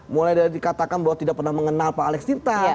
mulai dari dikatakan bahwa tidak pernah mengenal pak alex tirta